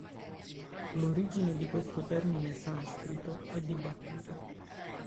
L'origine di questo termine sanscrito è dibattuta.